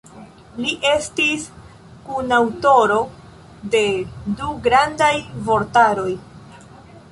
Li estis kunaŭtoro de du grandaj vortaroj.